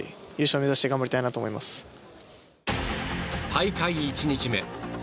大会１日目。